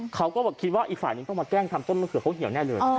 เขาก็คิดว่าอีกฝ่ายนึงต้องมาแกล้งทำต้นมะเขือเขาเหี่ยวแน่เลย